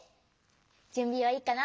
じゅんびはいいかな？